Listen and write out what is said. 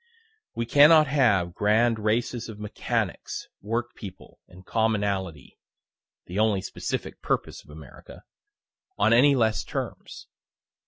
We cannot have grand races of mechanics, work people, and commonalty, (the only specific purpose of America,) on any less terms.